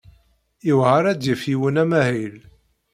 Yewɛeṛ ad d-yaf yiwen amahil.